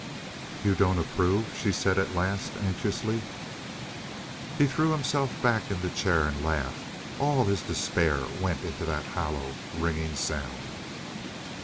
"You don't approve?" she said at last, anxiously. He threw himself back in the chair and laughed. All his despair went into that hollow, ringing sound.